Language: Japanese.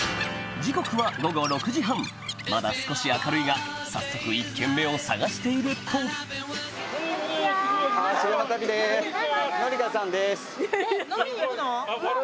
時刻は午後６時半まだ少し明るいが早速１軒目を探していると僕たち？